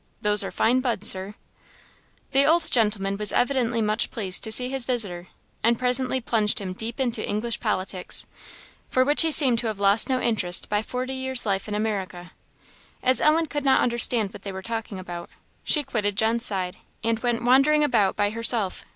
Those are fine buds, Sir." The old man was evidently much pleased to see his visitor, and presently plunged him deep into English politics, for which he seemed to have lost no interest by forty years' life in America. As Ellen could not understand what they were talking about, she quitted John's side, and went wandering about by herself.